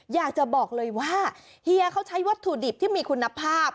อยากจะบอกเลยว่าเฮียเขาใช้วัตถุดิบที่มีคุณภาพ